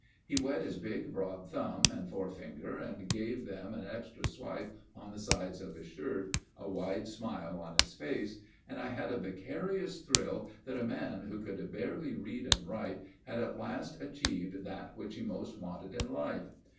He wet his big, broad thumb and forefinger and gave them an extra wipe on the sides of his shirt, a wide smile on his face and I had a vicarious thrill that a man who could barely read and write had at last achieved that which he most wanted in life.